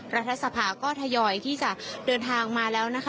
รัฐสภาก็ทยอยที่จะเดินทางมาแล้วนะคะ